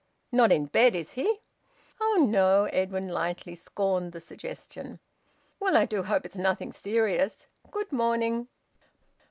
"Not in bed, is he?" "Oh no!" Edwin lightly scorned the suggestion. "Well, I do hope it's nothing serious. Good morning."